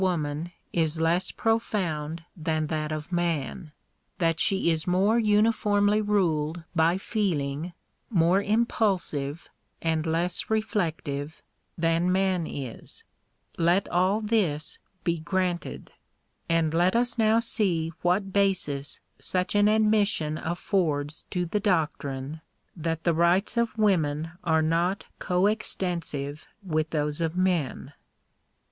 woman is less profound than that of man — that she is more uniformly ruled by feeling, more impulsive, and less reflective, than man is — let all this be granted ; and let us now see what basis such an admission affords to the doctrine, that the rights of women are not co extensive with those of men.